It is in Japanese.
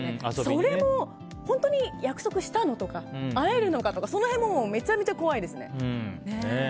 それも本当に約束したの？とか会えるのかとかめちゃくちゃ怖いですね。